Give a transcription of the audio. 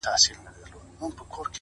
ځكه ځوانان ورانوي ځكه يې زړگي ورانوي _